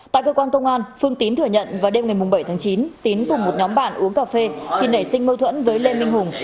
tại cơ quan công an phương tín thừa nhận vào đêm ngày bảy tháng chín tín cùng một nhóm bạn uống cà phê thì nảy sinh mâu thuẫn với lê minh hùng